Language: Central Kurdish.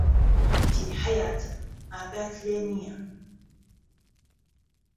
کوتی حهیاتم ئاگات لێ نییه